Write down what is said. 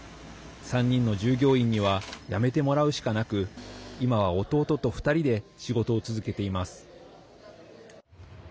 ３人の従業員にはやめてもらうしかなく今は弟と２人で仕事を続けています。